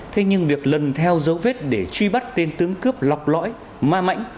thế nhưng việc lần theo dấu vết để truy bắt tên tướng cướp lọc lõi ma mãnh